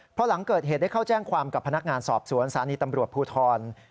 เพราะหลังเกิดเหตุได้เข้าแจ้งความกับพนักงานสอบสวนศาลีตำรวจภูทร